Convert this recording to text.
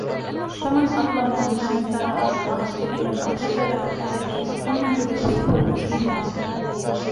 فَمَنْ أَظْلَمُ مِمَّنِ افْتَرَى عَلَى اللَّهِ كَذِبًا أَوْ كَذَّبَ بِآيَاتِهِ إِنَّهُ لَا يُفْلِحُ الْمُجْرِمُونَ